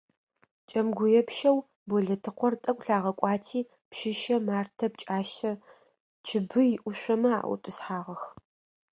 Кӏэмыгуепщэу Болэтыкъор тӏэкӏу лъагъэкӏуати Пщыщэ, Мартэ, Пкӏашъэ, Чыбый ӏушъомэ аӏутӏысхьагъэх.